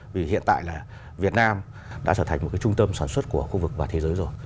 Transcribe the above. vì hiện tại là việt nam đã trở thành một cái trung tâm sản xuất của khu vực và thế giới rồi